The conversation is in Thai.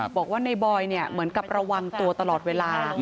บอกว่าในบอยเหมือนกับระวังตัวตลอดเวลา